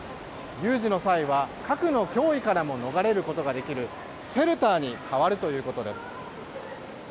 有事の際は核の脅威からも逃れることができるシェルターに変わるということです。